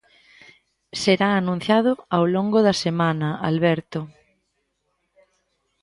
Será anunciado ao longo da semana, Alberto...